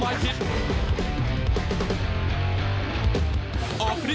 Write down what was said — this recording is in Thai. และไฟล์น้ำเงินชายาผลไม้พริก